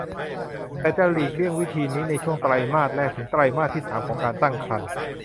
แต่จะหลีกเลี่ยงวิธีนี้ในช่วงไตรมาสแรกถึงไตรมาสที่สามของการตั้งครรภ์